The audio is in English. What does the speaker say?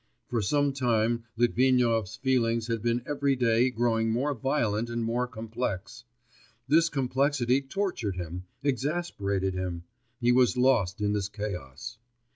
For some time Litvinov's feelings had been every day growing more violent and more complex; this complexity tortured him, exasperated him, he was lost in this chaos.